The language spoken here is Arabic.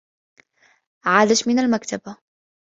عادت من المكتبة.